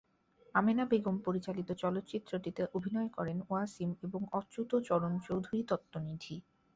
আমেনা বেগম পরিচালিত চলচ্চিত্রটিতে অভিনয় করেন ওয়াসিম এবং অচ্যুতচরণ চৌধুরী তত্ত্বনিধি।